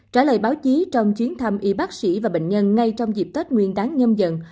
trả lời báo chí trong chuyến thăm y bác sĩ và bệnh nhân ngay trong dịp tết nguyên đáng nhâm dần